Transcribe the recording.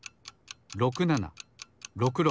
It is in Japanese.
６７６６。